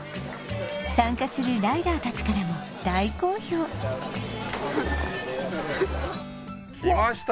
参加するライダー達からも大好評きました！